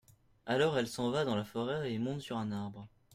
Alors elle s'en va dans la forêt et monte sur un arbre.